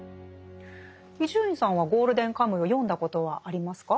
伊集院さんは「ゴールデンカムイ」を読んだことはありますか？